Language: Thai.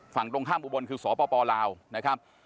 ฝั่งตรงข้ามอุบลคือสปลาวนะครับ